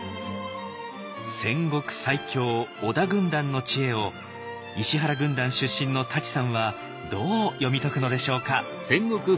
戦国最強織田軍団の知恵を石原軍団出身の舘さんはどう読み解くのでしょうか。